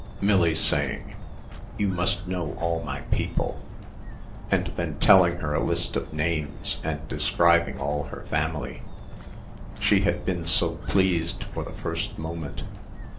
... Millie saying, "You must know all my people," and then telling her a list of names and describing all her family. She had been so pleased for the first moment.